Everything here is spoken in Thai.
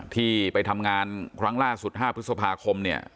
ที่ไปทำงานครั้งล่าสุด๕พฤษภาคมเนี่ย